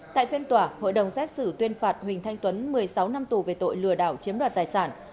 tại phiên tòa hội đồng xét xử tuyên phạt huỳnh thanh tuấn một mươi sáu năm tù về tội lừa đảo chiếm đoạt tài sản